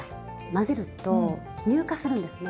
混ぜると乳化するんですね。